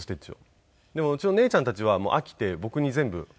でもうちの姉ちゃんたちは飽きて僕に全部渡してきて。